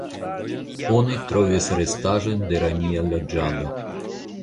Oni trovis restaĵojn de romia loĝado.